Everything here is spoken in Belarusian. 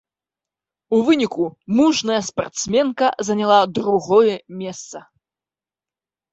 У выніку мужная спартсменка заняла другое месца.